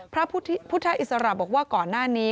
พระพุทธอิสระบอกว่าก่อนหน้านี้